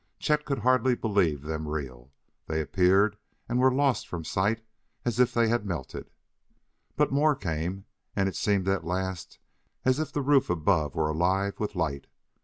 Chet could hardly believe them real; they appeared and were lost from sight as if they had melted. But more came, and it seemed at last as if the roof above were alive with light.